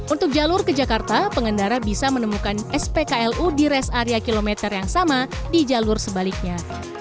untuk jalur ke jakarta pengendara bisa menemukan spklu di res area km yang sama di jalur sebaliknya